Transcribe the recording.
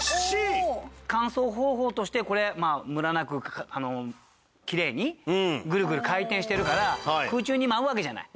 乾燥方法としてこれまあムラなくきれいにグルグル回転してるから空中に舞うわけじゃない。